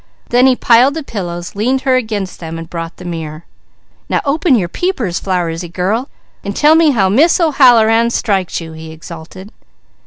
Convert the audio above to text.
Then he piled the pillows, leaned her against them and brought the mirror. "Now open your peepers, Flowersy girl, and tell me how Miss O'Halloran strikes you!" he exulted.